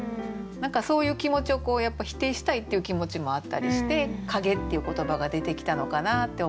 何かそういう気持ちを否定したいっていう気持ちもあったりして「陰」っていう言葉が出てきたのかなって思いますね。